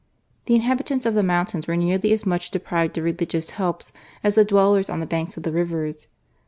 The inhabitants of the mountains were nearly as much deprived of religious helps as the dwellers on the banks of the rivers.